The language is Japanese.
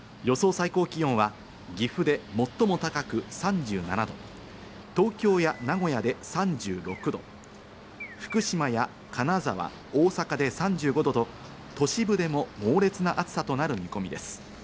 最高気温は岐阜で最も高く３７度、東京や名古屋で３６度、福島や金沢、大阪で３５度と、都市部でも猛烈な暑さとなる見込みです。